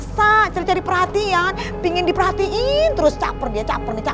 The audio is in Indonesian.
sampai jumpa di video selanjutnya